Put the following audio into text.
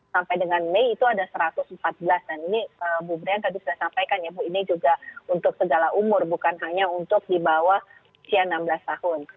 sampai dengan mei itu ada satu ratus empat belas dan ini bu brian tadi sudah sampaikan ya bu ini juga untuk segala umur bukan hanya untuk di bawah usia enam belas tahun